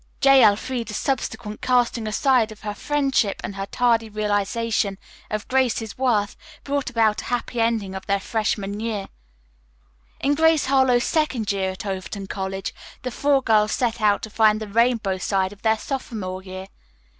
J. Elfreda's subsequent casting aside of her friendship and her tardy realization of Grace's worth brought about a happy ending of their freshman year. In "Grace Harlowe's Second Year at Overton College" the four girls set out to find the rainbow side of their sophomore year.